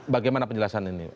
bagaimana penjelasan ini